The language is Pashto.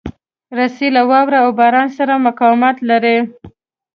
رسۍ له واوره او باران سره مقاومت لري.